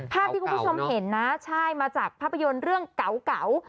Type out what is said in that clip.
ภาพที่คุณผู้ชมเห็นนะใช่มาจากภาพยนตร์เรื่องเก่า